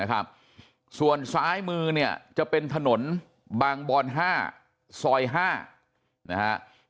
นะครับส่วนซ้ายมือเนี่ยจะเป็นถนนบางบอน๕ซอย๗นะครับ